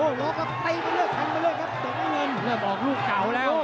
โอ้โหรอครับไปไปเลยครับ